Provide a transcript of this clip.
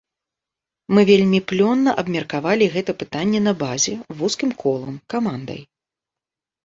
Мы вельмі плённа абмеркавалі гэта пытанне на базе, вузкім колам, камандай.